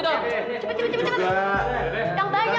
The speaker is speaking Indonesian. ada apa ini